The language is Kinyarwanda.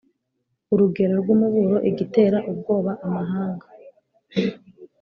urugero rw umuburo igitera ubwoba amahanga